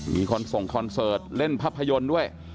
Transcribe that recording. มีคนส่งคอนเสิร์ตเล่นภาพยนตร์ด้วย